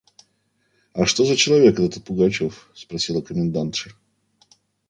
– А что за человек этот Пугачев? – спросила комендантша.